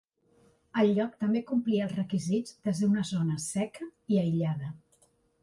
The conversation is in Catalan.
El lloc també complia els requisits de ser una zona seca i aïllada.